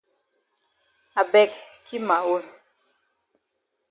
I beg keep ma own.